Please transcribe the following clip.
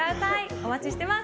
お待ちしています。